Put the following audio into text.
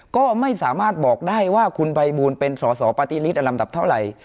ก็ไม่สามารถบอกได้ว่าคุณไพบูลเป็นสสปติฤทธิ์อลัมตับเท่าไหร่